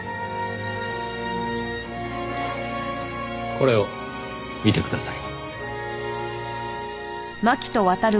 これを見てください。